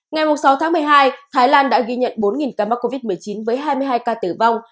ngày sáu tháng một mươi hai thái lan đã ghi nhận bốn ca mắc covid một mươi chín với hai mươi hai ca tử vong